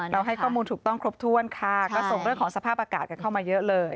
ให้ข้อมูลถูกต้องครบถ้วนค่ะก็ส่งเรื่องของสภาพอากาศกันเข้ามาเยอะเลย